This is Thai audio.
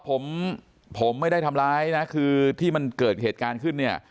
ผมผมไม่ได้ทำร้ายนะคือที่มันเกิดเหตุการณ์ขึ้นเนี่ย